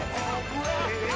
えっ！